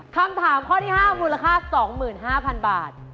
คำถามข้อที่๕มูลค่า๒๕๐๐๐บาท